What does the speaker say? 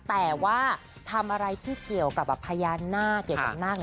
แต่ว่าทำอะไรที่เกี่ยวกับพญานาคเกี่ยวกับนาค